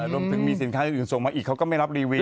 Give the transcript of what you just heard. รวมถึงมีสินค้าอื่นส่งมาอีกเขาก็ไม่รับรีวิว